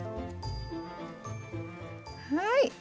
はい。